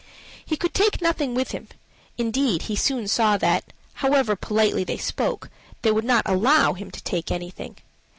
He could take nothing with him; indeed, he soon saw that, however politely they spoke, they would not allow him to take anything.